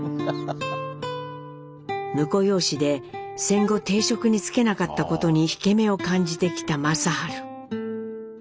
婿養子で戦後定職に就けなかったことに引け目を感じてきた正治。